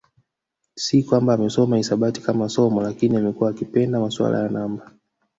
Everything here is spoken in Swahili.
Si kwamba amesoma hisabati kama somo lakini amekuwa akipenda masuala ya namba